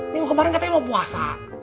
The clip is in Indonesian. minggu kemarin katanya mau puasa